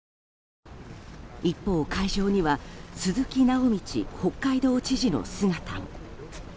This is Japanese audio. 一方、会場には鈴木直道北海道知事の姿も。